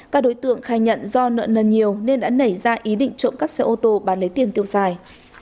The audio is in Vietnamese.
các đối tượng khai nhận do nợ nần nhiều nên đã nảy ra ý định trộm cắp xe ô tô bán lấy tiền tiêu xài